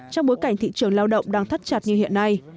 trong bối cảnh thị trường lao động đang thắt chặt như hiện nay